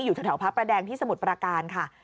อยู่แถวพระประแดงที่สมุทรประการค่ะ